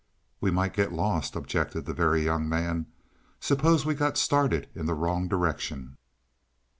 "We might get lost," objected the Very Young Man. "Suppose we got started in the wrong direction?"